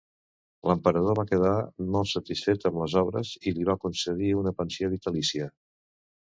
L'emperador va quedar molt satisfet amb les obres i li va concedir una pensió vitalícia.